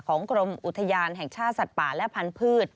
กรมอุทยานแห่งชาติสัตว์ป่าและพันธุ์